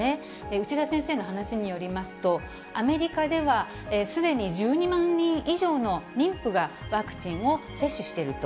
内田先生の話によりますと、アメリカではすでに１２万人以上の妊婦がワクチンを接種していると。